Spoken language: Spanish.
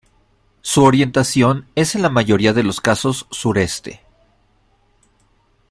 Su orientación es en la mayoría de los casos sureste.